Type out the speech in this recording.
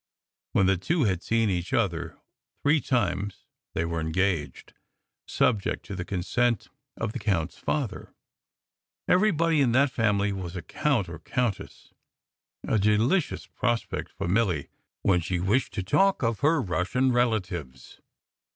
When the two had seen each other three times they were engaged, subject to the consent of the count s father. Everybody in that family was a count or countess, a delicious prospect for Milly when she wished to talk of her Russian relatives.